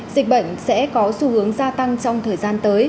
dịch bệnh sẽ có xu hướng gia tăng trong thời gian tới